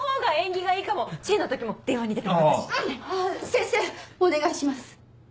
先生お願いします！